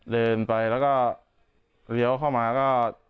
เดินไปแล้วก็เลี้ยวเข้ามาก็